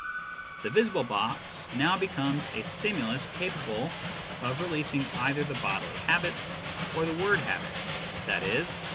The visible box now becomes a stimulus capable of releasing either the bodily habits or the word habit, i.e.